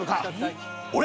俺？